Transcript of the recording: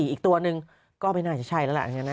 อีกตัวหนึ่งก็ไม่น่าจะใช่แล้วล่ะ